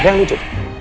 ada yang lucu